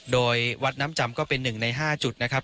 โดยวัดน้ำจำก็เป็นหนึ่งในห้าจุดนะครับ